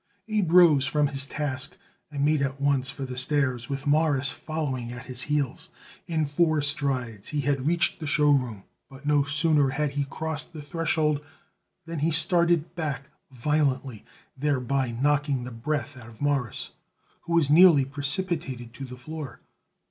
Abe rose from his task and made at once for the stairs, with Morris following at his heels. In four strides he had reached the show room, but no sooner had he crossed the threshold than he started back violently, thereby knocking the breath out of Morris, who was nearly precipitated to the floor.